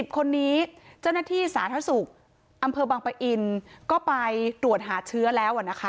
คนนี้เจ้าหน้าที่สาธารณสุขอำเภอบังปะอินก็ไปตรวจหาเชื้อแล้วนะคะ